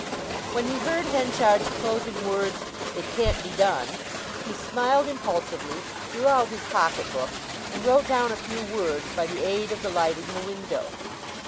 When he heard Henchard's closing words, "It can't be done," he smiled impulsively, drew out his pocketbook, and wrote down a few words by the aid of the light in the window.